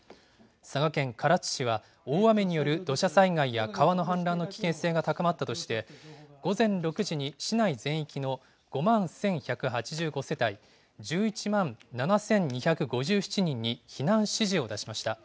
佐賀県唐津市は、大雨による土砂災害や川の氾濫の危険性が高まったとして、午前６時に市内全域の５万１１８５世帯１１万７２５７人に避難指示を出しました。